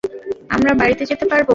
আমরা বাড়িতে যেতে পারব।